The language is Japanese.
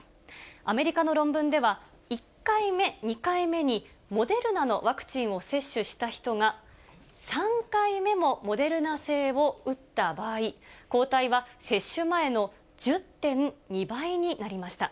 アメリカの論文では、１回目、２回目にモデルナのワクチンを接種した人が３回目もモデルナ製を打った場合、抗体は接種前の１０．２倍になりました。